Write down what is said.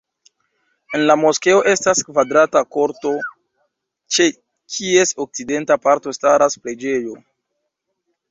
En la moskeo estas kvadrata korto, ĉe kies okcidenta parto staras preĝejo.